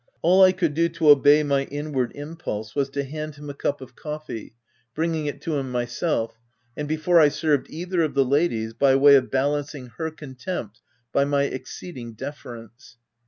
All I could do, to obey my *nward impulse, was to hand him a cup of OF W1LDFELL HALL. 221 coffee, bringing it to him myself, and before I served either of the ladies, by way of balancing her contempt by my exceeding deference.